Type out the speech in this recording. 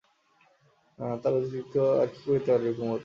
তার অতিরিক্ত আর কী করিতে পারবে কুমুদ?